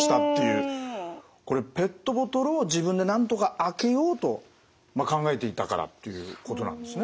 これペットボトルを自分でなんとか開けようと考えていたからっていうことなんですね。